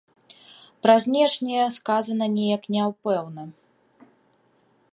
Пра знешнія сказана неяк няпэўна.